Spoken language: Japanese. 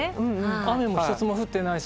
雨も一つも降ってない。